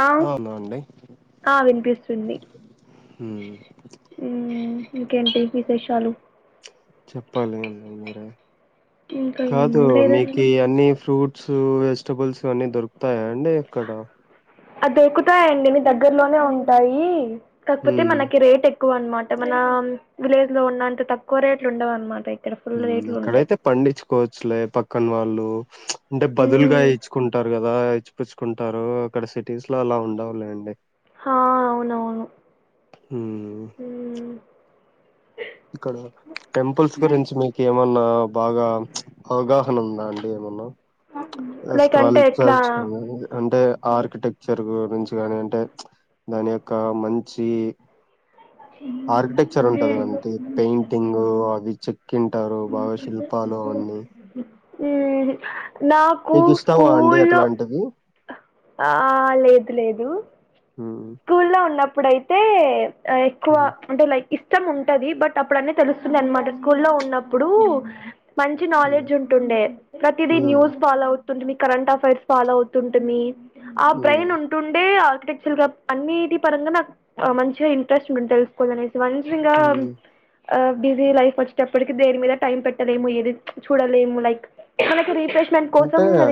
ఆ అవునా అండి ఆ వినిపిస్తుంది హ్మ్. ఉమ్ ఇంకేంటి విశేషాలు చెప్పాలి అండి మీరే ఇంకా ఏం కాదు లేదండి మీకి అన్నీ ఫ్రూ ట్స్ వెజిటేబుల్స్ అన్నీ దొరుకుతాయా అండి అక్కడ అ దొరుకుతాయండి ఐమీ దగ్గరలోనే ఉంటాయి కాకపోతే హ్మ్. మనకి రేట్ ఎక్ ఎక్కువ అన్నమాట మన విలేజ్ లో ఉన్నంత తక్కువ రేట్లు ఉండవు అన్నమాట ఇ మ్ ఇక్కడైతే పండించుకోవచ్చులే పక్కన వాళ్ళు అంటే బదులుగా మ్మ్ ఇచ్చుకుంటారు కదా ఇచ్చిపుచ్చుకుంటారు. అక్కడ సిటీస్ లో అలా ఉండవులేండి. హ అవునవును హ్మ్. ఉమ్ ఇక్కడ టెంపుల్స్ గురించి మీకు ఏమన్నా బాగా అవగాహన ఉందా అండి ఏమన్నా లైక్ అంటే ఎట్లా స్కల్చర్స్ కదా అంటే ఆర్కిటెక్చర్ కాని అంటే దాని యొక్క మంచి ఆర్కిటెక్చర్ మ్మ్ ఉంటది అంటే పెయింటింగ్ అవి చెక్కింటారు బాగా శిల్పాలు అవన్నీ నాకు మీకు ఇష్టమా అండి స్కూల్ లో అట్లాంటివి ఆ లేదు లేదు హ్మ్ స్కూల్ లో ఉన్నప్పుడుయితే ఎక్కువ హ్మ్ అంటే లైక్ ఇష్టం ఉంటది బట్ అప్పుడు అన్నీ తెలుస్తుండే అన్నమాట స్కూల్ లో ఉన్నప్పుడు మంచి హ్మ్ నాలెడ్జ్ ఉంటుండే, ప్రతిదీ హ్మ్ న్యూస్ ఫాలో అవు తుంటిమి, కరెంట్ అఫైర్స్ ఫాలో అవుతుంటుమీ, ఆ బ్రెయిన్ హ్మ్ ఉంటుండే ఆర్కిటెక్చర్ గా అన్నిటి పరంగా నాకు మంచిగా ఇంట్రెస్ట్ ఉంది తెలుసుకోవాలి అనేసి వన్స్ ఇంగా హ్మ్ ఆ బిజీ లైఫ్ వచ్చేటప్పటికి దేని మీద టైం పెట్టలేము, ఏది చూడలేము, లైక్ మనకి రీఫ్రెష్ ఉంటదిగా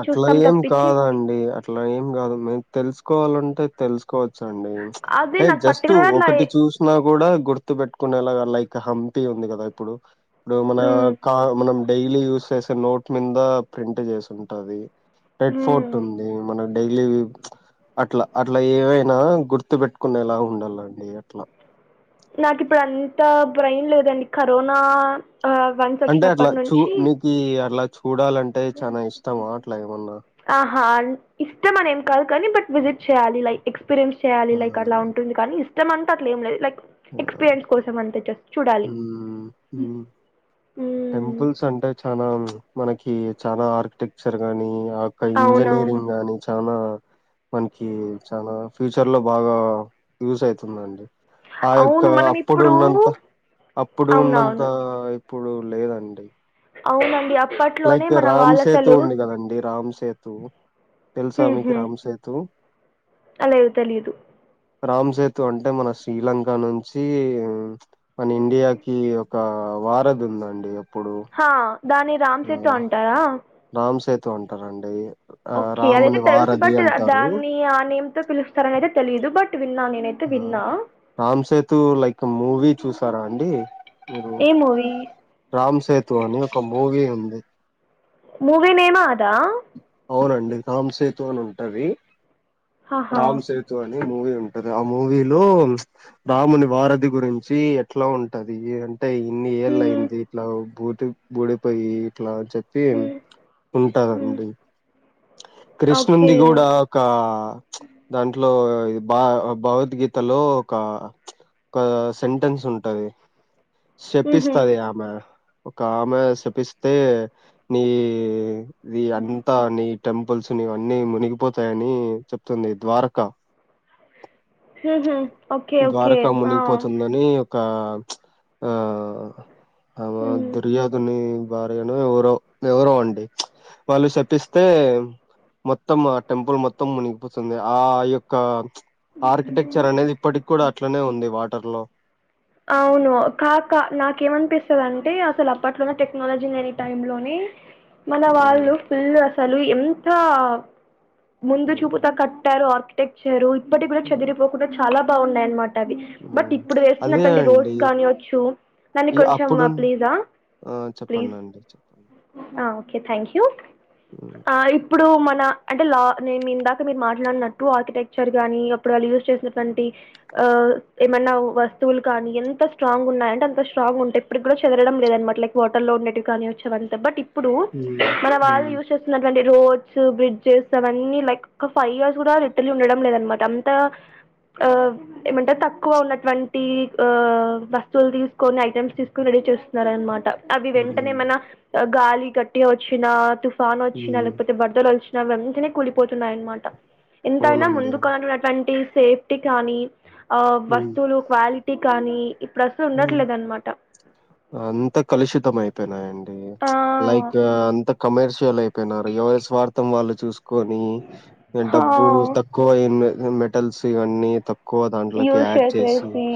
అట్లా ఏం తప్పించి కాదండి, అట్లా ఏం కాదు, మేము తెలుసుకోవాలం టే తెలుసు కోవచ్చు అండి అది అంటే నాకు జస్ట్ పర్టికులర్ అట్లా ఒకటి చూసినా కూడా గుర్తు పెట్టుకునేలాగా లైక్ హంపి ఉంది కదా ఇప్పుడు ఇప్పుడు మన ఉమ్ మనం డైలీ యూస్ చేసే నోట్ మీ ద ప్రింట్ చేసి ఉంటాది రెడ్ ఫోర్ట్ ఉంది మన డైలీ అట్లా అట్లా ఏవైనా గుర్తు వెట్టుకునేలా ఉండాలండి అట్లా నాకు ఇప్పుడు అంత బ్రెయిన్ లేదండి కరోనా ఆ, వన్స్ అంటే అట్లా వచ్చినప్పటి చూ నుంచి మీకి అట్లా చూ డాలంటే చానా ఇష్టమా అట్లా ఏమన్నా ఆహా ఇష్టం అనేం కాదు కానీ బట్ విజట్ చేయాలి, లైక్ ఎక్స్పీరియన్స్ చేయాలి, ఆ లైక్ అలా ఉంటుంది కానీ ఇష్టమా అంటే అట్లేమ్ లేదు లైక్ ఎక్స్పీరియన్స్ కోసం అంతే జస్ హు హు మ్మ్. టెంపుల్స్ అంటే చానా మనకి చానా ఆర్కిటెక్చర్ గానీ ఆ యొక్క అవునవును ఇంజనీరింగ్ గాని చానా మనకి చాలా ఫ్యూచర్ లో బాగా యూస్ అయితుందండి. ఆ యొక్క అవును మనం అప్పుడు ఇప్పుడు ఉన్నంత అప్పుడు ఉన్నంత అవునవును ఇప్పుడు లేదండి అవునండి అప్ లైక్ రామ్ సేతు ఉంది కదండి రామ్ స సేతు తెలుసా మీకు రామ్ సేతు అ లేదు తెలియదు. రామ్ సేతు అంటే మన శ్రీలంక నుంచి మన ఇండియాకి ఒక వారధి ఉందండి అప్పుడు దాని రామ్ ఆ సేతు అంటారా. రామ్ సేతు అంటారండి ఆ ఓకే అదైతే రాముని తెలుసు వారధి బట్ అంటారు దాన్ని ఆ నేమ్ తో పిలుస్తారని అయితే తెలియ ఆ రామ్సేతు లైక్ మూవీ చూసారా అండి. ఉమ్ ఏ మూవీ రామ్ సేతు అని ఒక మూవీ ఉంది. మూవీ నేమే అదా అవునండి రామ్ సేతు అని ఉంటది. ఆహా రామ్ సేతు అని మూవీ ఉం టది ఆ మూవీలో రాముని వారధి గురించి ఎట్లా ఉంటది. అటె ఇన్ని ఏళ్ళ హ్మ్, అయింది ఇట్లా బూటి బూడిపోయి ఇట్లా తెప్పియండి హ్మ్, ఉంటా హ్మ్. అండీ కృష్ణుం ఓకే ని కూడా ఒక దాంట్లో ఒ ఇది భ భగవద్గీతలో ఒక ప్చ్ ఒక సెంటెన్స్ ఉంటది హుహు. శేపిస్తది ఆమె ఒక ఆమె శెపిస్తే నీది అంతా నీ టెంపుల్స్నీ అన్నీ మునిగిపోతాయని చెప్తుంది ద్వారకా ఊహు ద్వారకా మునిగిపోతుందని కా ప్చ్ ఆ ఆమ హ్మ్. దూరియొదుని భార్యను ఎవరో ఎవరో అండి వాళ్ళు శెపిస్తే మొత్తం ఆ టెంపుల్ మొత్తం మునిగిపోతుంది ఆ యొక్క ఆర్కిటెక్చర్ అనేది ఇప్పటికి కూడా అట్లనే ఉంది వాటర్ లో అవును కాకా నాకెమనిపిస్తదంటే ఇగ అసలు అప్పట్లోనే టెక్నాలజీ లేని టైం లోని మన హ్మ్. వాళ్ళు ఫుల్ అసలు ఎంత ముందు హ్మ్. చూపుతో కట్టారు ఆర్కిటెక్చర్ ఇప్పటి కూడా హ్మ్. చెదిరిపోకుండా చాలా బాగున్నాయనమాట బట్ హ్మ్. ఇప్పుడు అదే వేస్తున్నటువంటి అండి రోడ్స్ కానివచ్చు నాని ఈ కొంచం అప్పుడు ఆ ప్లీజా ఆ! ప్లీస్ చెప్పండండి. చెప్పండి. ఆ ఓకే థ్యాంక్ హ్మ్. ఆ ఇప్ ఇప్పుడు మన అంటే లా నేను ఇందాక మీరు మాట్లాడినట్టు ఆర్కిటెక్చర్ గానీ అప్పుడు వాళ్ళు యూజ్ చేసినటువంటి అ ఏమనా వస్ స్తువులు కానీ ఎంత స్ట్రాంగ్ ఉన్నాయంటే అంత స్ట్రాంగ్ ఉంటయి ఇప్పుడు కూడా చెదరడం లేద అనమాట లైక్ వాటర్ లో ఉండటివి కానీయచ్చు అంత బట్ ఇప్పుడు హ్మ్. మన వాళ్ళు హ్మ్. యూజ్ చేస్తున్నటువంటి రోడ్స్ బ్రిడ్జెస్ అవన్నీ లైక్ ఒక ఫైవ్ ఇయర్స్ కూడా రిటర్లీ ఉండడం లేదనమాట అంత ఆ ఏమంటరు తక్కువ ఉన్నటువంటి టీ ఆ వస్తువులు తీసుకొని ఐటమ్స్ తీసుకొని రెడీ చేస్తున్నరు అనమాట అవి హ్మ్. వెంటనే హ్మ్. మన గాలి గట్టిగ వచ్చినా తుఫాను వచ్చినా హ్మ్. లేకపోతే బరదలు వచ్చినా న వెంటనే కూలిపోతున్నాయి అనమాట ఎంతైనా అవునండి. అవును. ముందుకన్నటువంటి సేఫ్టీ కానీ ఆ వస్తువులు క్వాలిటీ కానీ ఇప్పుడు అసలు ఊ ఉండట్లేదనమాట అంత కలుషితమయి పయినాయండి ప్చ్ ఆ లైక్ అంత కమర్షియల్ అయిపోయిన ఎవరి స్వార్థం వాళ్ళు చూసు కొని ఇగ హా డబ్బు తక్కువ అయి మెటల్స్ ఇవన్నీ తక్ ఎక్కువ దాంట్లోకి యూజ్ యాడ్ చేసి చేసేసి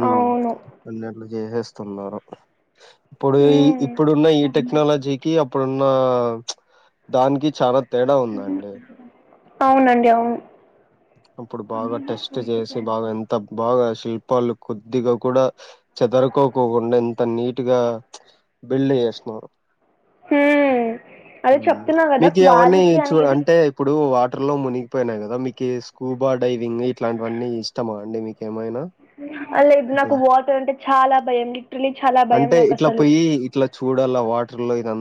ఊ అవును ఇగ అట్ల చేసేస్తున్నారు ఇప్పుడు మ్మ్ ఇప్పుడున్న ఈ టెక్నాలజీకి ఆప్ ఇప్పుడున్న ప్చ్ దానికి చాలా తేడా ఉందండి అవునండి అవును అప్పుడు బాగా టెస్ట్ చేసి బాగా ఎంత బాగా శిల్పాలు కొద్దిగా కూడా చెదరకోకుండా ఎంత నీట్గా బిల్డింగ్ ఏష్నారు ఊ ఊ మీకు అవన్నీ చూ అనేది అంటే ఇప్పుడు వా వాటర్ లో మునిగిపోయియి కదా మీకి స్కూబా డైవింగ్ ఇట్లాంటివన్నీ ఇష్టమా అండి మీకేమైనా అ లేదు నాకు ఇట్లా వాటర్ అంటే చాలా భయం లీట్రూలి అంటే ఇట్లా పోయి ఇట్లా చూడాల వాటర్ లో ఇదం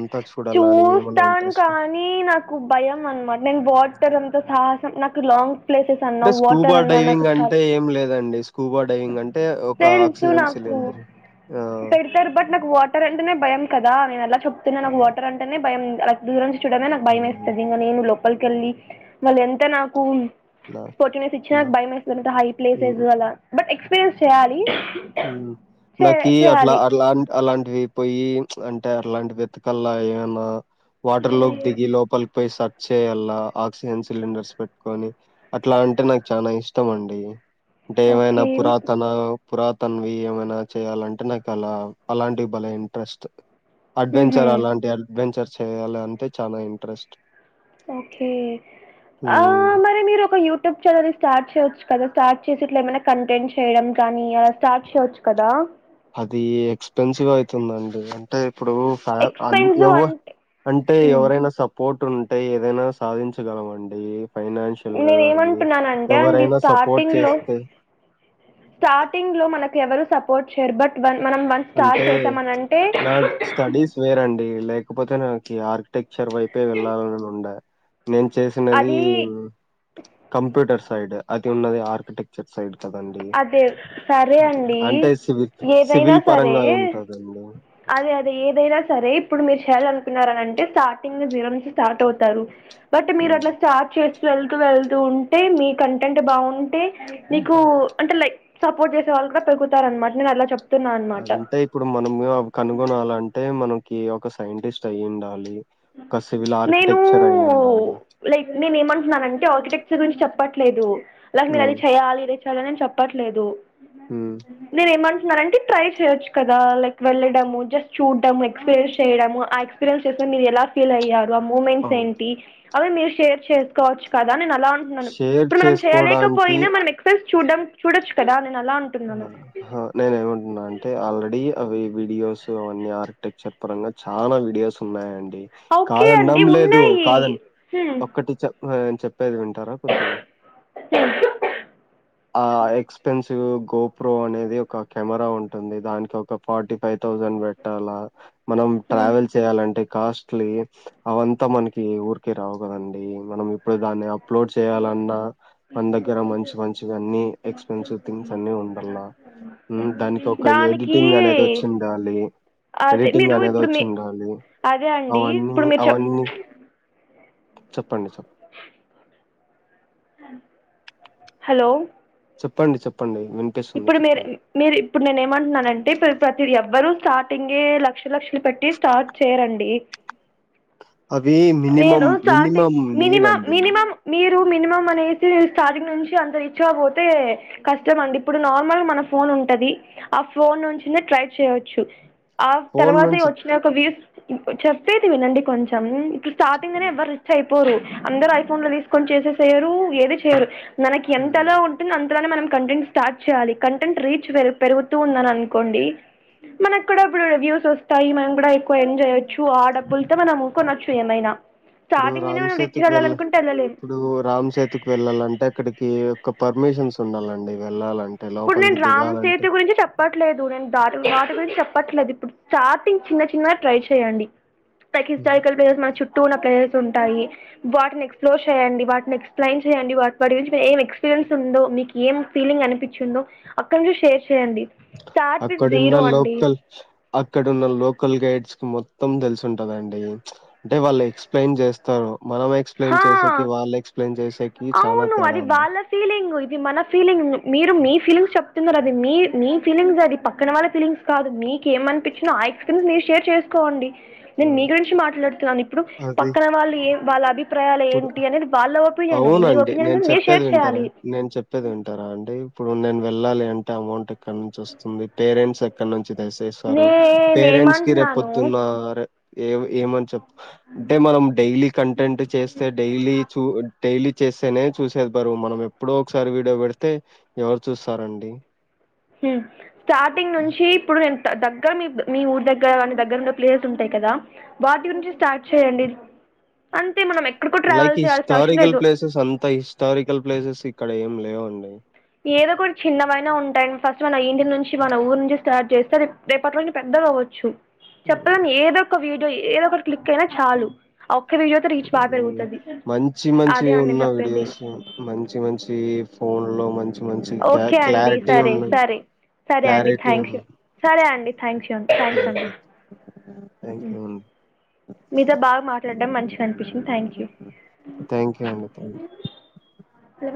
చూస్తాను కానీ నాకు భయం అనమాట నేను వాటర్ అంత సా ఉ నాకు లాంగ్ ప్లేసెస్ అన్నా అంటే స్కూబా వాటర్ అన్నా నాకు డైవింగ్ అంటే చాలా ఏం లేదండి స్కూబా డైవింగ్ అంటే ఒక ఆక్సిజన్ సిలి ఏం డబ్బా పెరుతారు బట్ నాకు వాట్ వాటర్ అంటేనే భయం కదా నేను అలా చెప్తున్నా నాకు ఆ! వాటర్ అంటేనే భయం దూరం చూడమే నాకు భయం హ్మ్. వేస్తది ఇంకా నేను లోపలికిఎళ్ళి మళ్ళీ ఎంత నాకు నా పొటినేస్ ఇచ్చిన నా భయం వెస్తది హై హ్మ్. ప్లేసెస్ అలా బట్ ఎక్స్పీరియన్స్ చేయాలి చే నాకి అట్లా చేయాలి అలా అలాంటివి పోయి అంటే అలాంటి వెతికల్లా ఏయన్నా వాటర్ లోకి దిగి లోపలికి పోయి సర్చ్ చేయలా ఆక్సిజన్ సిలిండర్స్ పెట్టుకొని అట్లా అంటే నాకు చాల ఇష్టం అండి అంటే ఏమైనా ఓకే పురాతన పురాతనవి ఏమైనా చేయాలంటే నాకు అలా అలాంటివి బలే ఇంట్రెస్ట్ అడ్వెంచర్ అలాంటి అడ్వెంచర్ చేయాలి అంటే చాలా ఇంట్రెస్ట్ ఓకే ఆ హ్మ్. మరి మీరు ఒక యూట్యూబ్ ఛానల్ స్టార్ట్ చేయవచ్చు కదా స్టార్ట్ చేసి ఇట్ల ఏమైనా కంటెంట్ చేయడం కానీ అలా స్టార్ట్ చేయవచ్చు కదా అది ఎక్స్పెన్సివ్ అవుతుందండి అంటే ఇప్పుడు ఫ ఎవ అంటే ఎవరైనా సపోర్ట్ పట్టు ఉంటే ఏదైనా సాధించగలం అండి ఫైనాన్షియల్ గా గానీ నేనేమంటున్నానంటే అండి ఎవరైనా సపోర్ట్ స్టార్టింగ్ లో చేస్తే స్టార్టింగ్ లో మనకు ఎవరు సపోర్ట్ చేయరు బట్ వన్ మనం వన్ స్టార్ట్ అంటే చేసామని అంటే ఒక్కడికైనా ఆర్కిటెక్చర్ వైపే వెళ్ళాలని ఉంద నేను చేసినది అది కంప్యూటర్ సైడ్ అది ఉన్నది ఆర్కిటెక్చర్ సైడ్ కదండీ! అదే కరి హ్మ్. అండి అంటే సివిల్ ఏదైనా సివిల్ సరే పరంగా ఉంటదండి. అదే అదే ఏదైనా సరే ఇప్పుడు మీరు చేయాలనుకున్నారనింటే స్టార్టింగ్ జీరో నుంచి స్టార్ట్ అవుతారు బట్ మీరు హ్మ్. అట్లా స్టార్ట్ చే స్తూ వెళ్త వెళ్తూ ఉంటే మీ కంటెంట్ బాగుంటే మీకు హ్మ్. అంటే సపోర్ట్ చేసే వాళ్ళు కూడా పెరుగుతారుారనమాట నేను అలా చెప్ప అంటే ఇప్పుడు మనం కనుగొనాలంటే మనకి ఒక సైంటిస్ట్ అయి ఉండాలి నేను లైక్ నేను ఏమంటున్నానంటే ఆర్కిటెక్ గురించి చెప్పట్లేదు లాక్ మీరు హ్మ్. అది చేయాలి ఇది చేయాలి నేను చెప్పట్లేదు హ్మ్. నేను ఏమ న్న అంటే ట్రై చేయచ్చు కదా లైక్ వెళ్ళడము జస్ట్ చూడము ఎక్స్పీరియన్స్ చేయడము ఆ ఎక్స్పీరియన్స్ చేసే మీరు ఎలా ఫీల్ అయ్యారు ఆ మూమెంట్స్ అవును. ఏంటి అవి మీరు షేర్ చేసుకోవచ్చు కదా అ అలా ఉంటున్నాను షేర్ ఇప్పుడు మనం చేసుకోడానికి చేయలేకపోయినా మనం ఎక్సైస్ చూడం చూడచ్చు కదా నేను అలా అంటున్నాను హ నేనే ఏమంటున్నా అంటే ఆల్రెడీ అవి వీడియోస్ అవన్నీ ఆర్కిటెక్చర్ పరంగా చాలా వీడియోస్ ఉన్నాయండి డి ఓకే కాదండం అండి లేదు ఉన్నాయి కాదం హ్మ్. ఒక్కటి చ చెప్పేది వింటారా కొద్దిగా హ్మ్. ఆ ఎస్పెన్ గో ప్రో అనేది ఒక కెమెరా ఉంటుంది దానికి ఒక ఫార్టీ ఫైవ్ తవుజ్ పెట్టాల మనం హ్మ్. ట్రావెల్ చేయాలంటే కాస్ట్లీ అవంతా మనకి ఊరికే రావు కదండి మనం ఇప్పుడు దాన్ని అప్లోడ్ చేయాలన్నా మన దగ్గర మంచి మంచిగా అన్ని ఎక్స్పెన్సివ్ థింగ్స్ అన్ని ఉండాల దానికి ఒక దానికి ఎడిటింగ్ అనేది వచ్చి ఉండాలి అదే ఎడిటింగ్ మీరు అనేది ఇప్పుడు వచ్చి మీ ఉండాలి అదే అండి అవన్నీ ఇప్పుడు మీరు చెప్ అవన్నీ చెప్పండి చెప్పండి [inaudible] హలో చెప్పండి చెప్పండి వినిపిస్తుంది ఇప్పుడు మీరు చెప్పండి. మీరు ఇప్పుడు నేను ఏమంటున్నానంటే ప్రతిదీ ఎవ్వరు స్టార్టింగే లక్ష లక్షలు పెట్టి స్టార్ట్ చేయరండి అవి నేను minimum starting minimum need minimum అండి. మినిమమ్ మీరు మినిమం అనేసి స్టార్టింగ్ నుంచి అంత రీచ్ అవ్వపోతే కష్టం అండి ఇప్పుడు నార్మల్గా మన ఫోన్ ఉంటది ఆ ఫోన్ నుంచి ట్రై చేయచ్చు ఆ ఫోను తర్వాత నుంచి వచ్చిన ఒక వ్యూస్ చెప్పేది వినండి కొంచెం స్టార్టింగ్నే ఎవ్వరు రిచ్ అయిపోరు అందరుూ ఐఫోన్ లో తీసుకొని చేసేసయరు ఏది చేయరు మనకి హ్మ్. ఎంతలో ఉంటుంది అంత మనం కంటెంట్ స్టార్ట్ చేయాలి కంటెంట్ రీచ్ పె పెరుగుతూ ఉందని అనుకోండి. మనకు కూడా ఇప్పుడు రివ్యూస్ వస్తాయి మనం కూడా ఎక్కువ ఎంజాయొచ్చు ఆ డబ్బులతో మనంఊ కొనొచ్చు ఏమైనా. ఇప్పుడు స్టార్టింగ్ నుండి రామ్ మనం రిచ్గా సేతుకి వెళ్ళ వెళ్ళాలనుకుంటే వెళ్ళలేము ఇప్పుడు రామ్సేతికి వెళ్ళాలంటే అక్కడికి ఒక పర్మిషన్స్ ఉండాలిండి వెళ్ళాలంటే ఇప్పుడు నేను లోపలికి రామ్ దిగాలంటే సితె గురించి చెప్పట్లేదు నేను దా దాటి గురించి చెప్ప చెప్పట్లేదు ఇప్పుడు స్టార్టింగ్ చిన్న చిన్నవి ట్రై చేయండి పైక్ హ్మ్. హిస్టారికల్ ప్లేసెస్ మన చుట్టూ. టూర్ ప్లేసెస్ ఉంటాయి వాని ఎస్ప్లోర్ చేయండి వాటిని ఎక్స్ప్లెయిన్ చేయండి వాటి వాటి గురించి ఏం ఎక్స్పీరియ. ఉందో మీకు ఏం ఫీలింగ్ అనిపించిందో అక్కడి నుంచి షేర్ చేయండి స్టార్ట్ విత్ అక్కడున్న జీరో అండి లోకల్ అక్కడున్న లోకల్ గైడ్స్ మొత్తం తెలుసుంటదండి అంటే వాళ్ళు ఎక్స్ప్లెయిన్ చేస్తారు మనం ఎక్స్ప్లెయిన్ హా చేసకి వాళ్ళ ఎక్స్ప్లెయిన్ చేసేకి చనాా అవును తేడా అది ఉంది. వాళ్ళ ఫీలింగ్ ఇది మన ఫీలింగ్ మీరు మీ ఫీలింగ్స్ చెప్తున్నారు అది మీ ఫీలింగ్స్ అది పక్కన వాళ్ళ ఫీలింగ్స్ కాదు మీకు ఏమనిపించినో ఆ ఎక్స్పీరియన్స్ మీ షేర్ చేసుకోండి ఆ! నేను మీ గురించి మాట్లాడుతున్నాను ఇప్పుడు అది పక్కన వాళ్ళు ఏ వాళ్ళ అభి ఇప్పుడు మీ అవునండి ఒపీనియన్ నేను కూడా మీరు చెప్పేది షేర్ వింటారా చేయాలి నేను చెప్పేది వింటారా అండి ఇప్పుడు ఇప్పు నేను వెళ్ళాలి అంటే అమౌంట్ ఎక్కడ నుంచి వస్తుంది పేరెంట్స్ ఎక్కడ నుంచి చేశారు పేరెంట్స్ కి రేపు నేనేమంటున్నాను పొద్దున్న ఏమని చె అంటే మనం డైలీ కంటెంట్ చేస్తే డైలీ చూ డైలీ చేస్తేనే చూసేది బరు మనం ఎప్పుడో ఒకసారి వీడియో పెడితే ఎవరు చూస్తారండి స్టార్టింగ్ నుంచి ఇప్పుడు నేను దగ్గ మీ మీ ఊరు దగ్గర కాని దగ్గరన్న ప్లేసెస్ ఉంటాయి కదా వాటి గురించి స్టార్ట్ చేయండి అ లైక్ హిస్టారికల్ ప్లేసెస్ అంత హిస్టారికల్ ప్లేసెస్ ఇక్కడ ఏం లేవుండి ఏదో ఒక చిన్నవైనా ఉంటాయండి ఫస్ట్ మన ఇంటి నుంచి మన ఊరు నుంచి స్టార్ట్ చేస్తే రేపట్లో నుంచి పెద్ద వచ్చు హ్మ్. చెప్పలేని ఏదో ఒక వీడియో ఏదో ఒకటి క్లిక్ అయినా చాలు ఒక్క వీడియోతో రీచ్ బాగా పెరుగుతది మంచి మంచి అదే అండి నేను ఉన్నా చెప్పేది వీడియోస్ మంచి మంచి ఫోన్ లో మంచి మంచి మంచి ఓకే క అండి క్లారిటీ సరే ఉన్నా సరే సరే అండి క్లారిటీ థ్యాంక్ ఉ యూ సరే అండి థ్యాంక్స్ థ్యాంక్స్ అండి థ్యాంక్ యూ అ మీతో బాగా మాట్లాడడం మంచిగా అనిపించింది థ్యాంక్ యూ. థ్యాంక్ యూ అండి థ్యాంక్ ఇ [unintelligible]